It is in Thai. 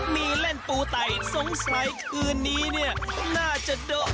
มีเล่นปูไตสงสัยคืนนี้เนี่ยน่าจะเด้อ